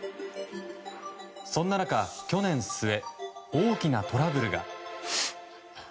そんな中、去年末大きなトラブルが。